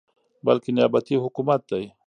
بلكې نيابتي حكومت دى ،